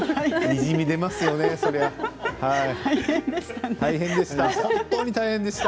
にじみ出ますよね大変でした。